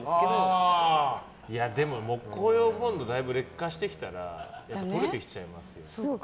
木工用ボンドはだいぶ劣化してきたら取れてきちゃいますよね。